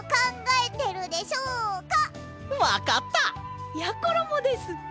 わかった！やころもです！